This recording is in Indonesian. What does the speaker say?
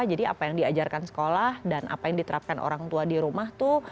jadi apa yang diajarkan sekolah dan apa yang diterapkan orang tua di rumah tuh